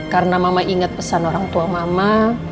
karena mama inget pesan orang tua mama